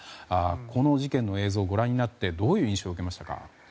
この事件の映像をご覧になってどういう印象を受けましたか？